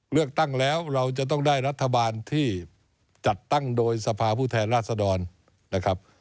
เลือกตั้งแล้วเราจะต้องได้รัฐบาลที่จัดตั้งโดยสภาผู้แทนราษดรนะครับ